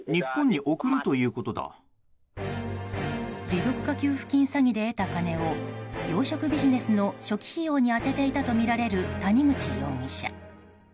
持続化給付金詐欺で得た金を養殖ビジネスの初期費用に充てていたとみられる谷口容疑者。